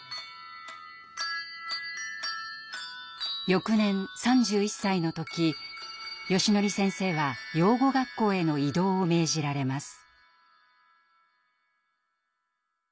翌年３１歳の時よしのり先生は養護学校への異動を命じられます。